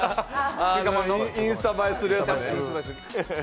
インスタ映えするやつね。